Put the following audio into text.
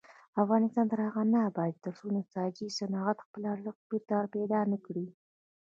افغانستان تر هغو نه ابادیږي، ترڅو د نساجي صنعت خپل ارزښت بیرته پیدا نکړي.